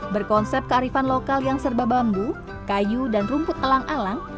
berkonsep kearifan lokal yang serba bambu kayu dan rumput alang alang